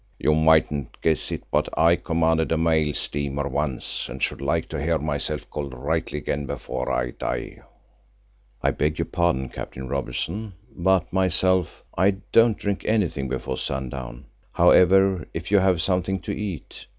You mightn't guess it, but I commanded a mail steamer once and should like to hear myself called rightly again before I die." "I beg your pardon—Captain Robertson, but myself, I don't drink anything before sundown. However, if you have something to eat——?"